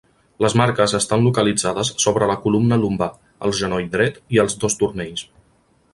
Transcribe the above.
Les marques estan localitzades sobre la columna lumbar, el genoll dret i els dos turmells.